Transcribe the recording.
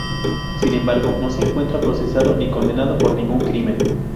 Sin embargo, no se encuentra procesado ni condenado por ningún crimen.